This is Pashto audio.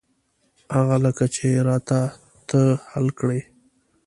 هغه لکه چې را ته ته حل کړې.